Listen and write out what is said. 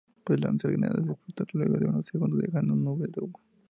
Puede lanzar granadas que explotan luego de unos segundos, dejando un nube de humo.